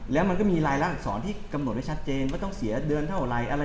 และมีรายละลักษณที่กำหนดชัดเจนว่าต้องเดินเท่าไหร่